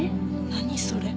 何それ。